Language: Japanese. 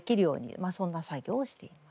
まあそんな作業をしています。